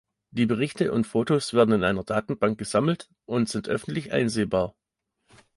Die Berichte und Fotos werden in einer Datenbank gesammelt und sind öffentlich einsehbar.